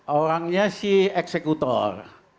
orangnya si eksekutor